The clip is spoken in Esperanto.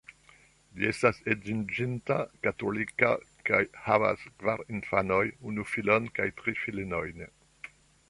Li estas edziĝinta, katolika kaj havas kvar infanojn, unu filon kaj tri filinojn.